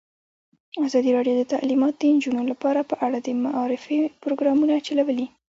ازادي راډیو د تعلیمات د نجونو لپاره په اړه د معارفې پروګرامونه چلولي.